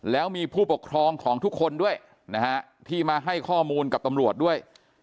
แล้วมีผู้ปกครองของทุกคนด้วยนะฮะที่มาให้ข้อมูลกับตำรวจด้วย